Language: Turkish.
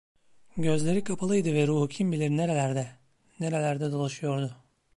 Gözleri kapalıydı ve ruhu kim bilir nerelerde, nerelerde dolaşıyordu?